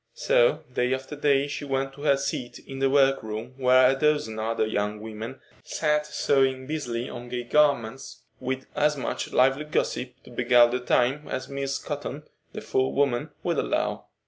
So day after day she went to her seat in the workroom where a dozen other young women sat sewing busily on gay garments, with as much lively gossip to beguile the time as Miss Cotton, the forewoman, would allow.